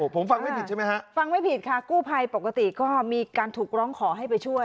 ผมฟังไม่ผิดใช่ไหมฮะฟังไม่ผิดค่ะกู้ภัยปกติก็มีการถูกร้องขอให้ไปช่วย